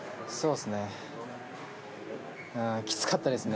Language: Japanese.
きつかったですね。